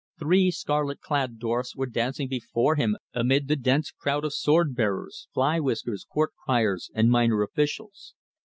Three scarlet clad dwarfs were dancing before him amid the dense crowd of sword bearers, fly whiskers, court criers and minor officials.